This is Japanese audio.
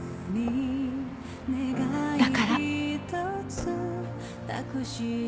だから。